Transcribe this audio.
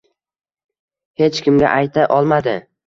Hech kimga ayta olmadi.